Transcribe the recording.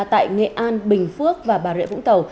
tại nghệ an bình phước và bà rịa vũng tàu